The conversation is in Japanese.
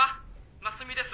真澄です」